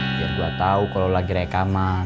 biar gue tau kalo lagi rekaman